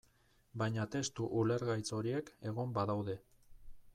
Baina testu ulergaitz horiek egon badaude.